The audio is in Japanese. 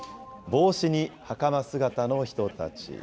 帽子にはかま姿の人たち。